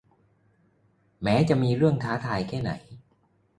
แม้จะมีเรื่องท้าทายแค่ไหน